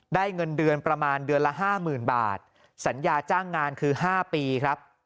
เงินเดือนประมาณเดือนละ๕๐๐๐บาทสัญญาจ้างงานคือ๕ปีครับ